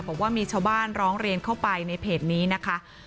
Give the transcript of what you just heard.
บอกว่ามีชาวบ้านร้องเรียนเข้าไปในเพจนี้นะคะ